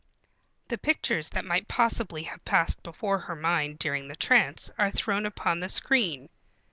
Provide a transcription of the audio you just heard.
The pictures that might possibly have passed before her mind during the trance are thrown upon the screen.